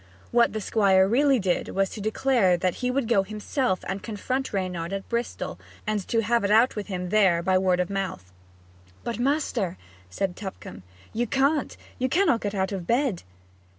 What the Squire really did was to declare that he would go himself and confront Reynard at Bristol, and have it out with him there by word of mouth. 'But, master,' said Tupcombe, 'you can't. You cannot get out of bed.'